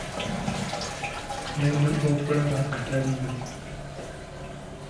Ngenda okulaba nga taliiwo!